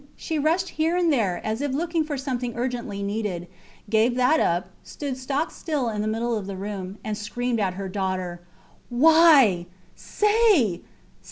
She rushed here and there, as if looking for something urgently needed gave that up, stood stock still in the middle of the room, and screamed at her daughter Why? Say!